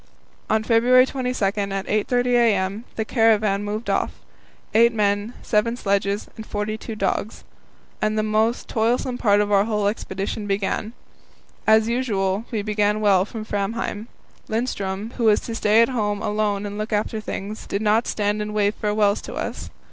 On February 22, at 8.30 a.m., the caravan moved off eight men, seven sledges, and forty two dogs and the most toilsome part of our whole expedition began. As usual, we began well from Framheim. Lindström, who was to stay at home alone and look after things, did not stand and wave farewells to us.